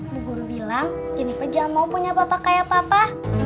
bu guru bilang jeniper jangan mau punya papa kayak papa